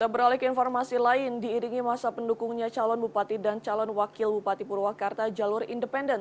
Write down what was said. beralih ke informasi lain diiringi masa pendukungnya calon bupati dan calon wakil bupati purwakarta jalur independen